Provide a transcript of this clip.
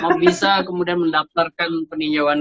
mau bisa kemudian mendaftarkan peninjauan